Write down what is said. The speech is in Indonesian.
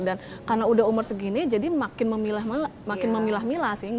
karena udah umur segini jadi makin memilah milah sih